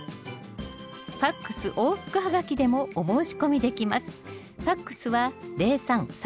ＦＡＸ往復ハガキでもお申し込みできます